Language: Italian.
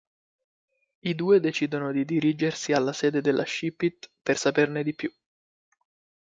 I due decidono di dirigersi alla sede della Ship-it per saperne di più.